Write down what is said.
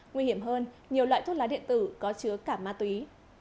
nguy hiểm hơn nhiều loại thuốc lá điện tử có chứa cả ma túy